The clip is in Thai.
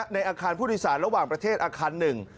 ในอาคารผู้นิสารระหว่างประเทศอาคาร๑